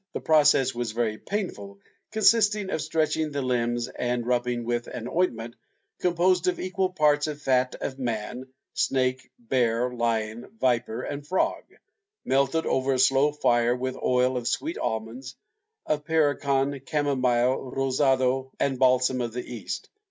The process was very painful, consisting of stretching the limbs and rubbing with an ointment composed of equal parts of fat of man, snake, bear, lion, viper and frog, melted over a slow fire with oil of sweet almonds, of pericon, camomile, rosado and balsam of the East.